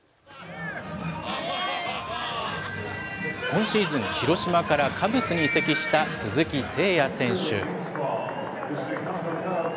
今シーズン、広島からカブスに移籍した鈴木誠也選手。